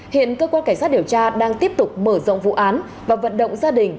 hiện cơ quan cảnh sát điều tra đang tiếp tục mở rộng vụ án và vận động gia đình